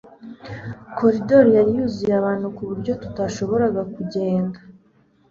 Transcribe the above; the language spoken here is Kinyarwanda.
Koridor yari yuzuyemo abantu ku buryo tutashoboraga kugenda